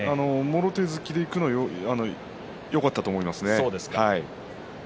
もろ手突きでいくのはよかったと思いますね。